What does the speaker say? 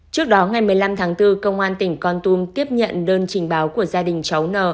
trước đó ngày một mươi năm tháng bốn công an tỉnh con tum tiếp nhận đơn trình báo của gia đình cháu n